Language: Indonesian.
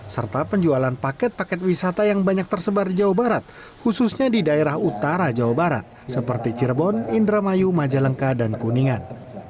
serta penjualan paket paket wisata yang banyak tersebar di jawa barat khususnya di daerah utara jawa barat seperti cirebon indramayu majalengka dan kuningan